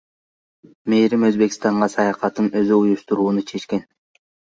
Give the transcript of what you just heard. Мээрим Өзбекстанга саякатын өзү уюштурууну чечкен.